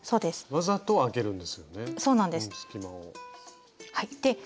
わざとあけるんですよね